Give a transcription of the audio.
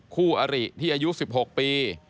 คู่อริที่อายุ๑๖ปี